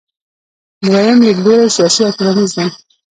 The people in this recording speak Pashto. دویم لیدلوری سیاسي او ټولنیز دی.